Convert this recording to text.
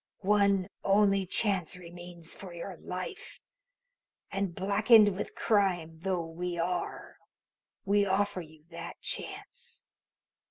One only chance remains for your life, and, blackened with crime though we are, we offer you that chance.